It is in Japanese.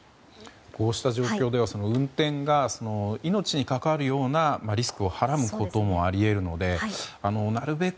こうした状況では運転が命に関わるようなリスクをはらむこともあり得るのでなるべく